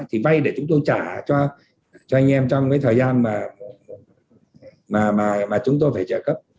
thì vay để chúng tôi trả cho anh em trong thời gian mà chúng tôi phải trả cấp